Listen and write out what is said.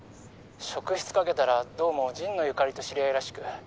職質かけたらどうも神野由香里と知り合いらしく。